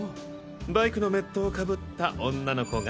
バイクのメットを被った女の子が。